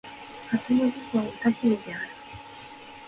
初音ミクは歌姫である